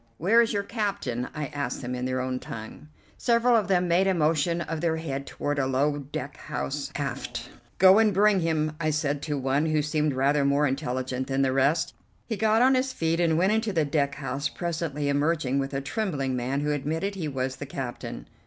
"Where is your captain?" I asked them in their own tongue. Several of them made a motion of their head toward a low deck house aft. "Go and bring him," I said to one who seemed rather more intelligent than the rest. He got on his feet and went into the deck house, presently emerging with a trembling man who admitted he was the captain.